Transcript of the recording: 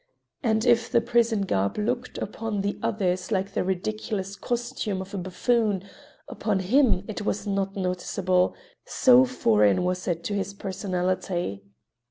And if the prison garb looked upon the others like the ridiculous costume of a buffoon, upon him it was not noticeable, so foreign was it to his personality.